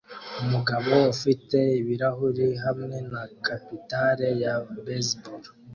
Umugabo ufite ibirahuri hamwe na capitale ya baseball